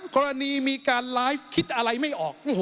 กรณีมีการไลฟ์คิดอะไรไม่ออก